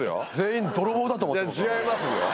いや違いますよ。